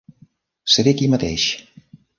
Seré aquí mateix.